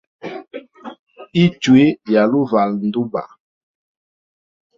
Ichwi yali uvala nduba.